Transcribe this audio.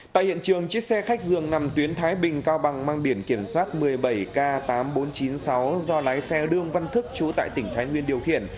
tại hiện trường chiếc xe khách dường nằm tuyến thái bình cao bằng mang biển kiểm soát một mươi bảy k tám nghìn bốn trăm chín mươi sáu do lái xe đương văn thức chú tại tỉnh thái nguyên điều khiển